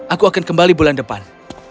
aku akan kembali bulan depan